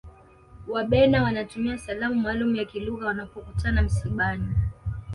wabena wanatumia salamu maalum ya kilugha wanapokutana msibani